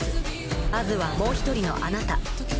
Ａｓはもう１人のあなた。